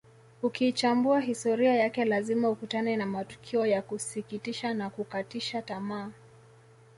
Ukiichambua historia yake lazima ukutane na matukio ya kusikitisha na kukatisha tamaa